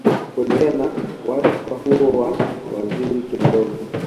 Kuendelea na wadhifa huo wa waziri kiongozi